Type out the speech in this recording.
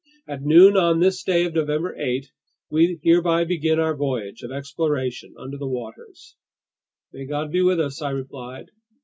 At noon on this day of November 8, we hereby begin our voyage of exploration under the waters." "May God be with us!" I replied.